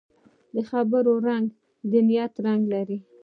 د خبرو رنګ د نیت رنګ لري